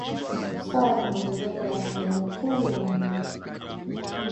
Sawa na ongezeko la asilimia kumi na nne